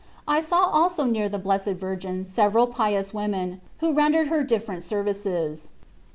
I saw also near the Blessed Virgin several pious women, who rendered her different services.